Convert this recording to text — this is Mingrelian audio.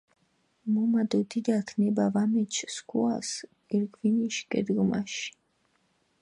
მუმა დო დიდაქ ნება ვამეჩჷ სქუას გირგვინიში გედგჷმაში.